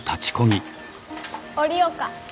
降りようか？